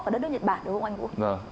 và đất nước nhật bản đúng không anh vũ